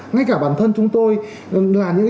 ngay cả bản thân chúng tôi là những